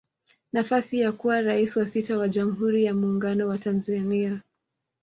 Nafasi ya kuwa Rais wa sita wa jamhuri ya Muungano wa Tanzania